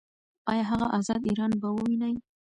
ایا هغه ازاد ایران به وویني؟